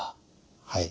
はい。